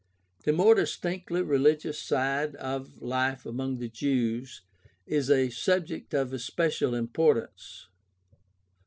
— The more distinctly religious side of Hfe among the Jews is a subject of especial importance.